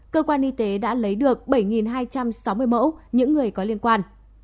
cơ quan y tế đã lấy được bảy hai trăm sáu mươi mẫu những người có liên quan